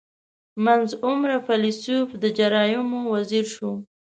• منځ عمره فېلېسوف د جرایمو وزیر شو.